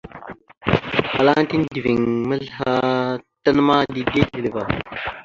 Afalaŋa tiɗəviŋ maslaha tan ma, dide isleva.